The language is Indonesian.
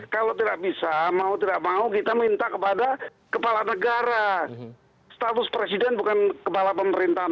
kalau tidak bisa mau tidak mau kita minta kepada kepala negara status presiden bukan kepala pemerintahan